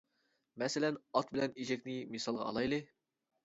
مەسىلەن ئات بىلەن ئېشەكنى مىسالغا ئالايلى.